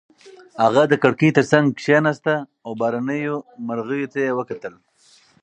هغه د کړکۍ تر څنګ کېناسته او بهرنیو مرغیو ته یې وکتل.